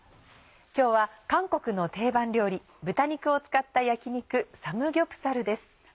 今日は韓国の定番料理豚肉を使った焼き肉「サムギョプサル」です。